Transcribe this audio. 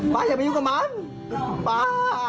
ป๊าอย่ามาอยู่กับมันป๊า